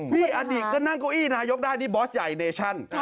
พี่อดิก็นั่งก้วยอีนายกได้นี่บอสใหญ่เนชั่น